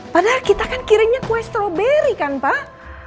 padahal kita kan kirimnya kue stroberi kan pak